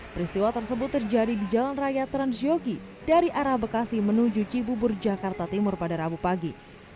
peristiwa tersebut terjadi di jalan raya transyogi dari arah bekasi menuju cibubur jakarta timur pada rabu pagi